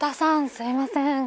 すいません。